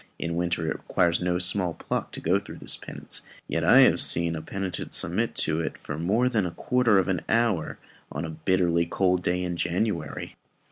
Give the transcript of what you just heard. In winter it requires no small pluck to go through this penance, yet I have seen a penitent submit to it for more than a quarter of an hour on a bitterly cold day in January.